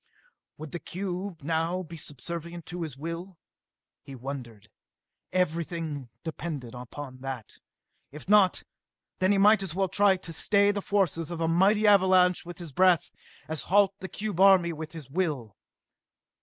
Would the cube now be subservient to his will? He wondered. Everything depended upon that. If not, then he might as well try to stay the forces of a mighty avalanche with his breath, as halt the cube army with his will.